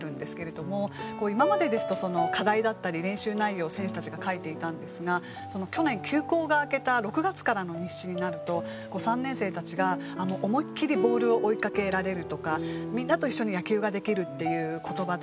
今までですと課題だったり練習内容を選手たちが書いていたんですが去年休校が明けた６月からの日誌になると３年生たちが「思いっ切りボールを追い掛けられる」とか「みんなと一緒に野球ができる」っていう言葉で。